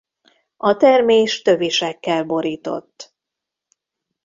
A termés tövisekkel borított.